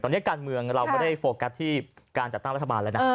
ตอนนี้การเมืองเราไม่ได้โฟกัสที่การจัดตั้งรัฐบาลแล้วนะ